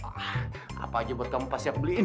wah apa aja buat kamu pas siap beliin